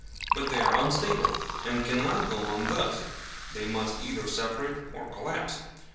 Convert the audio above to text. But they are unstable, and cannot go on thus: they must either separate or collapse.